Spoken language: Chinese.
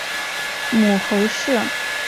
母侯氏。